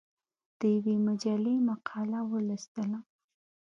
د یوې مجلې مقاله لوستله.